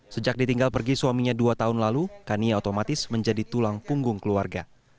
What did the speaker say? sejak ditinggal pergi suaminya dua tahun lalu kania otomatis menjadi tulang punggung keluarga